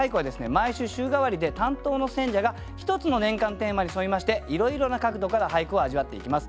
毎週週替わりで担当の選者が一つの年間テーマに沿いましていろいろな角度から俳句を味わっていきます。